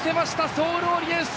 ソールオリエンス！